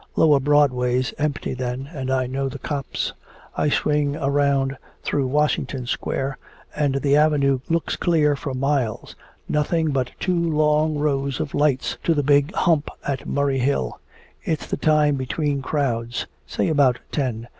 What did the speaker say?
Lower Broadway's empty then, and I know the cops. I swing around through Washington Square, and the Avenue looks clear for miles, nothing but two long rows of lights to the big hump at Murray Hill. It's the time between crowds say about ten.